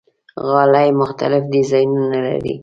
غالۍ مختلف ډیزاینونه لري.